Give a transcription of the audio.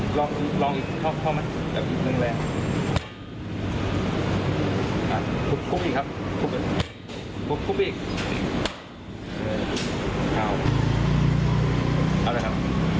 คุกอีกครับคุกอีกเอานะครับ